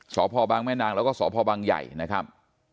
สพแม่นางแล้วก็สพใหญ่นะครับ